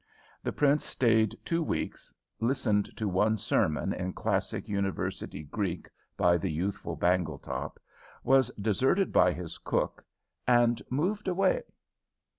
The prince stayed two weeks, listened to one sermon in classic university Greek by the youthful Bangletop, was deserted by his cook, and moved away.